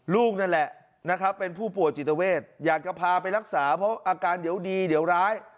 ลูกนั่นแหละนะครับเป็นผู้ป่วยจิตเวทอยากจะพาไปรักษาเพราะอาการเดี๋ยวดีเดี๋ยวร้าย